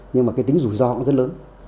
nhưng mà cái tính rủi ro cũng rất lớn